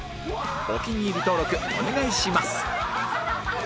お気に入り登録お願いします